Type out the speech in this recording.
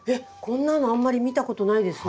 こんなのあんまり見たことないですね。